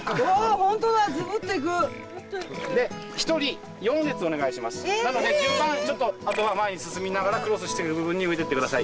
ホントだズブっといくなので順番ちょっとあとは前に進みながらクロスしてる部分に植えてってください